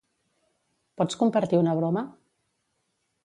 Pots compartir una broma?